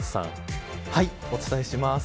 はい、お伝えします。